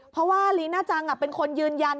เพราะว่าลีน่าจังเป็นคนยืนยัน